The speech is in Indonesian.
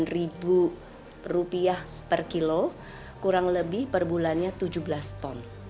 rp sembilan per kilo kurang lebih per bulannya tujuh belas ton